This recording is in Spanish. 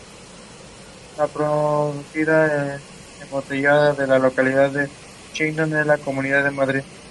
Enrique Murciano Jr.